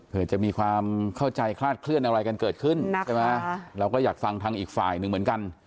เพื่อจะมีความเข้าใจคลาดเคลื่อนอะไรกันเกิดขึ้นใช่ไหมเราก็อยากฟังทางอีกฝ่ายหนึ่งเหมือนกัน